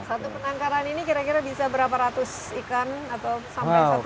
satu penangkaran ini kira kira bisa berapa ratus ikan atau sampai satu